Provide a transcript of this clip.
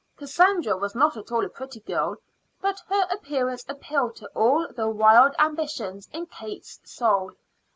Cassandra was not at all a pretty girl, but her appearance appealed to all the wild ambitions in Kate's soul.